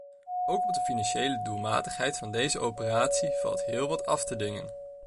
Ook op de financiële doelmatigheid van deze operatie valt heel wat af te dingen.